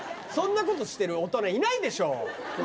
そんなことしてる大人いないでしょ？